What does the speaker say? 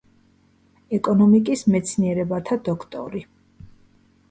ეკონომიკის მეცნიერებათა დოქტორი.